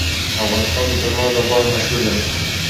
افغانستان د چار مغز لپاره مشهور دی.